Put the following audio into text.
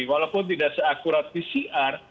walaupun tidak se akurat pcr